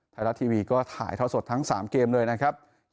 ไทยรัฐทีวีก็ถ่ายท่อสดทั้ง๓เกมเลยนะครับ